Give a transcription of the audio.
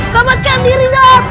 kematikan diri dot